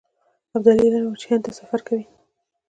ابدالي اعلان وکړ چې هند ته سفر کوي.